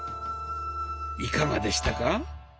いかがでしたか？